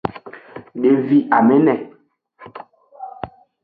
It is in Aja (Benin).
Devi amene.